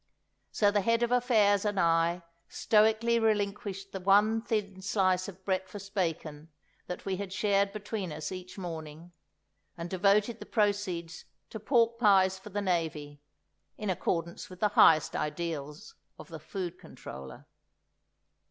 So the Head of Affairs and I stoically relinquished the one thin slice of breakfast bacon that we had shared between us each morning, and devoted the proceeds to pork pies for the Navy—in accordance with the highest ideals of the Food Controller.